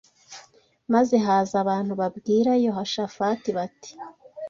Maze haza abantu babwira Yoshafati bati